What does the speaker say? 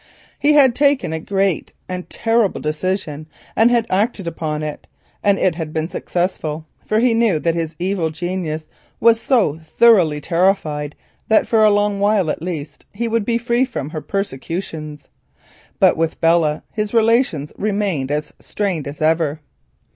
He had taken a great and terrible decision and had acted upon it, and it had been successful, for he knew that his evil genius was so thoroughly terrified that for a long while at least he would be free from her persecution. But with Belle his relations remained as strained as ever.